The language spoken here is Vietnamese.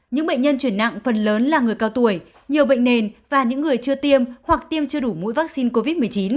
những bệnh nhân chuyển nặng phần lớn là người cao tuổi nhiều bệnh nền và những người chưa tiêm hoặc tiêm chưa đủ mũi vaccine covid một mươi chín